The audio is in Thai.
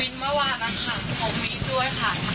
วินเมื่อวานนะคะผมบี๊กด้วยค่ะ